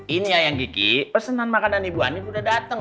ini ya yang kiki pesenan makanan ibu ani udah dateng